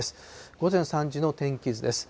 午前３時の天気図です。